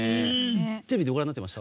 テレビでご覧になっていました？